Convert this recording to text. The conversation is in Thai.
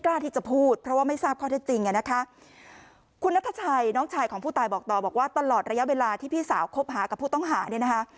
กล้าที่จะพูดเพราะว่าไม่ทราบข้อเท็จจริงอ่ะนะคะคุณนัทชัยน้องชายของผู้ตายบอกต่อบอกว่าตลอดระยะเวลาที่พี่สาวคบหากับผู้ต้องหาเนี่ยนะคะ